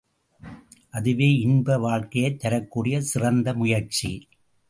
அதுவே இன்ப வாழ்க்கையைத் தரக்கூடிய சிறந்த முயற்சி.